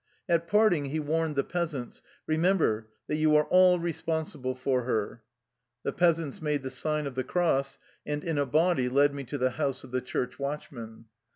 At parting he warned the peasants :" Remember that you are all responsible for her.'' The peasants made the sign of the cross, and in a body led me to the house of the church watchman.